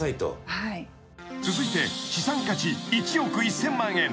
［続いて資産価値１億１，０００万円］